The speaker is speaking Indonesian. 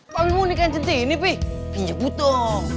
kalo mau nikahin centi ini pinjebut dong